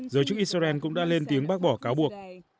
giới chức israel cũng đã lên tiếng bác bỏ cáo buộc